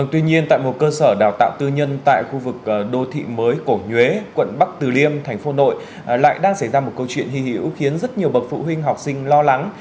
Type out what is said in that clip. tuy nhiên tại một cơ sở đào tạo tư nhân tại khu vực đô thị mới cổ nhuế quận bắc từ liêm thành phố nội lại đang xảy ra một câu chuyện hy hữu khiến rất nhiều bậc phụ huynh học sinh lo lắng